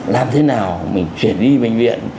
làm thế nào mình chuyển đi bệnh viện